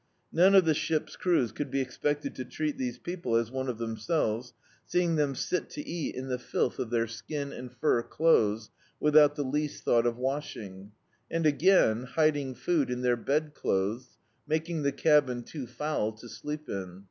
None of the ship's crews could be expected to treat these people as one of them selves, seeing them sit to eat in the filth of their D,i.',.db, Google Off Again skin and fur clothes, without the least thought of washing; and again, hiding food in their bed clothes, making the cabin too foul to sleep in.